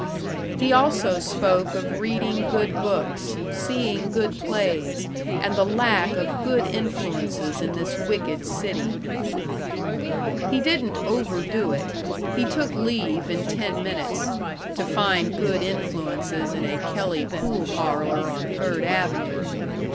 He also spoke of reading good books, seeing good plays, and the lack of good influences in this wicked city. He didn't overdo it. He took leave in ten minutes to find good influences in a Kelly pool parlor on Third Avenue.